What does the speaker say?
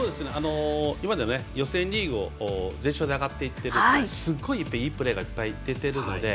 今まで予選リーグ全勝で上がってきてすごいいいプレーがいっぱい出ているので。